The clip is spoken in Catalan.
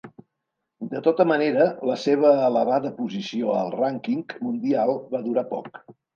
De tota manera la seva elevada posició al rànquing mundial va durar poc.